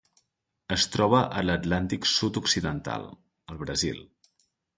Es troba a l'Atlàntic sud-occidental: el Brasil.